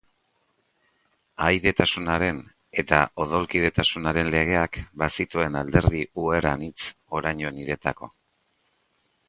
Ahaidetasunaren eta odolkidetasunaren legeak bazituen alderdi uher anitz oraino niretako.